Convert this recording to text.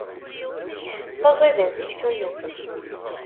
D aẓidan seksu-nnem.